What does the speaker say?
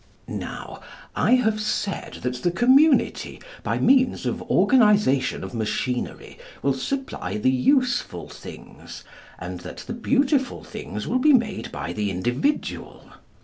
Now, I have said that the community by means of organisation of machinery will supply the useful things, and that the beautiful things will be made by the individual.